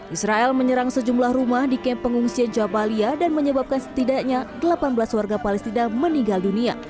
israel menyerang sejumlah rumah di kemp pengungsian jabalia dan menyebabkan setidaknya delapan belas warga palestina meninggal dunia